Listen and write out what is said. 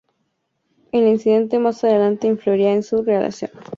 El incidente más adelante influirá en su relación.